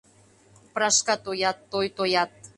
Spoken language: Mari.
Прашка тоят — той тоят.